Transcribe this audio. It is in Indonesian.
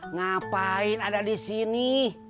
ngapain ada di sini